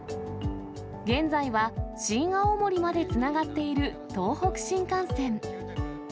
現在は新青森までつながっている東北新幹線。